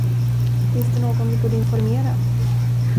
Finns det någon vi borde informera?